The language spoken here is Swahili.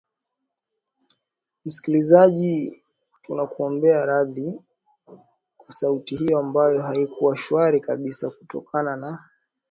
ma mshikilizaji tunakuomba radhi kwa sauti hiyo ambayo haikua swari kabisa kutokana na